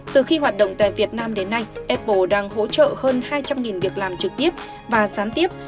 từ khi hoạt động tại việt nam đến nay apple đang hỗ trợ hơn hai trăm linh việc làm trực tiếp và gián tiếp